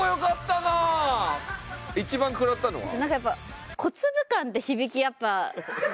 なんかやっぱ「小粒感」って響きやっぱ。